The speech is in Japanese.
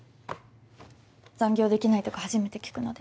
残業できないとか初めて聞くので。